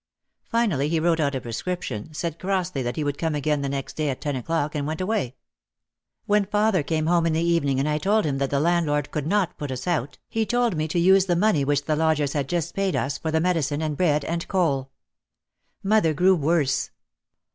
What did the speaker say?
Finally he wrote out a prescription, said crossly that he would come again the next day at ten o'clock and went away. When father came home in the evening and I told him that the landlord could not put us out, he told me 164 OUT OF THE SHADOW to use the money which the lodgers had just paid us for the medicine and bread and coal. Mother grew worse.